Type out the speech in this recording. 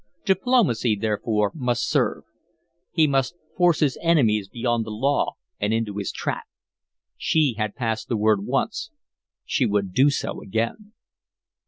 Diplomacy, therefore, must serve. He must force his enemies beyond the law and into his trap. She had passed the word once; she would do so again.